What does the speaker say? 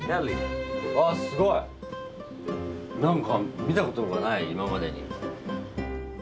すごい、なんか見たことがない今までに。